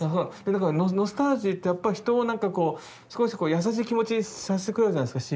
ノスタルジーってやっぱり人をなんかこう少し優しい気持ちにさせてくれるじゃないですか。